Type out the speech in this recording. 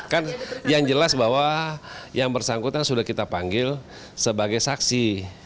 kan yang jelas bahwa yang bersangkutan sudah kita panggil sebagai saksi